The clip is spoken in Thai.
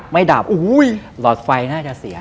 ไม่ดับหลอดไฟน่าจะเสีย